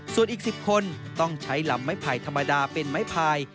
ส่วนอีก๑๐คนต้องใช้ลำไม้ไผ่ธรรมดาเป็นไม้พาย